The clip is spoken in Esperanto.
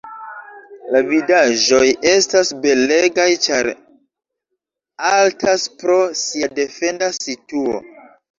La vidaĵoj estas belegaj ĉar altas pro sia defenda situo.